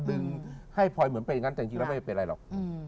ดึงให้พลอยเหมือนเป็นอย่างนั้นแต่จริงแล้วไม่เป็นไรหรอก